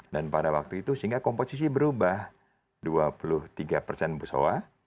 dan pada waktu itu sehingga komposisi berubah dua puluh tiga persen busowa